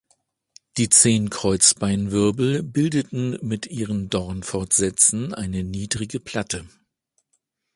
Die zehn Kreuzbeinwirbel bildeten mit ihren Dornfortsätzen eine niedrige Platte.